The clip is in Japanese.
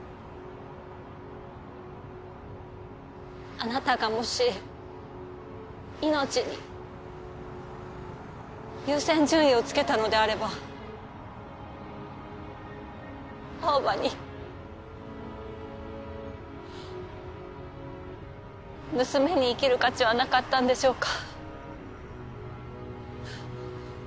あなたがもし命に優先順位をつけたのであれば青葉に娘に生きる価値はなかったんでしょうか？